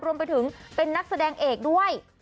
รวมไปถึงเป็นนักแสดงเอกด้วย